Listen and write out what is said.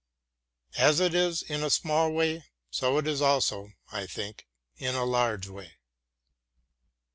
As it is in a small way, so is it also, I think, in a large way.